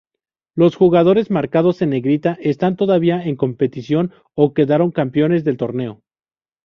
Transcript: Los jugadores marcados en negrita están todavía en competición o quedaron campeones del torneo.